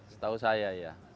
setahu saya ya